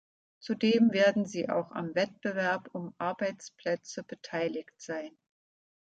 Zudem werden sie auch am Wettbewerb um Arbeitsplätze beteiligt sein.